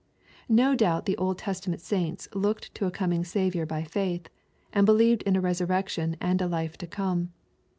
No doubt the Old Testament saints looked to a coming Saviour by faith, and believed in a resurrection and a life to come.